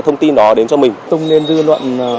hơn một thuê bao